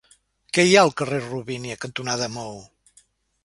Què hi ha al carrer Robínia cantonada Maó?